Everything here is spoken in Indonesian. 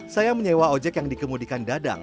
saya menyewa ojek yang dikemudikan dadang